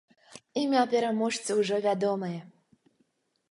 Імя пераможцы ўжо вядомае!